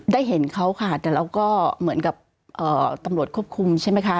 เห็นเขาค่ะแต่เราก็เหมือนกับตำรวจควบคุมใช่ไหมคะ